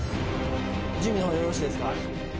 準備の方よろしいですか？